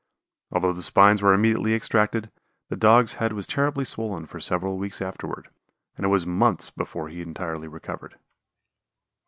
Although the spines were immediately extracted, the Dog's head was terribly swollen for several weeks afterward, and it was months before he entirely recovered.